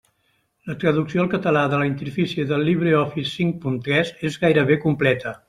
La traducció al català de la interfície del LibreOffice cinc punt tres és gairebé completa.